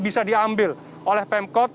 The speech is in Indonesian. bisa diambil oleh pemkot